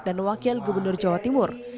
dan wakil gubernur jawa timur